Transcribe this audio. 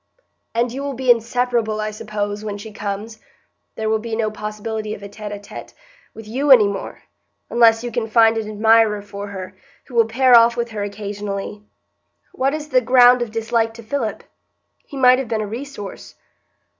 "And you will be inseparable I suppose, when she comes. There will be no possibility of a tête à tête with you any more, unless you can find an admirer for her, who will pair off with her occasionally. What is the ground of dislike to Philip? He might have been a resource."